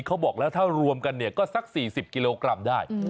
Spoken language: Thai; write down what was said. เขาบอกแล้วถ้ารวมกันเนี่ยก็สัก๔๐กิโลกรัมได้